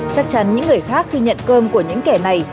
chắc chắn những người khác khi nhận cơm của những kẻ này